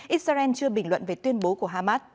israel chưa bình luận về tuyên bố của hamas